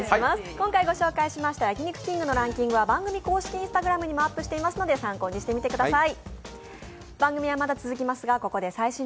今回ご紹介しました焼肉きんぐのランキングは番組公式Ｉｎｓｔａｇｒａｍにもアップしていますので参考にしてください。